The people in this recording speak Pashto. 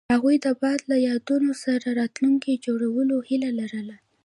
هغوی د باد له یادونو سره راتلونکی جوړولو هیله لرله.